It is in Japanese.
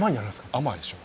甘いでしょ。